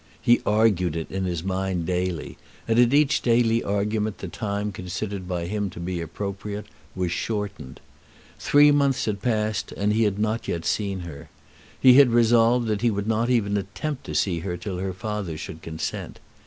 He argued it in his mind daily, and at each daily argument the time considered by him to be appropriate was shortened. Three months had passed and he had not yet seen her. He had resolved that he would not even attempt to see her till her father should consent.